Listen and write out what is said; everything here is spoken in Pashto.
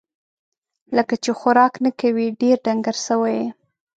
لکه چې خوراک نه کوې ، ډېر ډنګر سوی یې